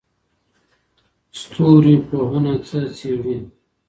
ستوري پوهنه څه څېړي؟